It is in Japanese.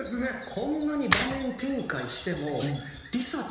こんなに場面展開しても。